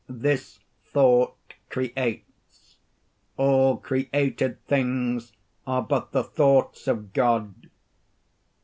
This thought creates. All created things are but the thoughts of God.